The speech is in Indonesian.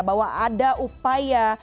bahwa ada upaya